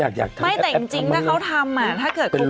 อ้าวใครให้เกิดค่วงจริงมันคือ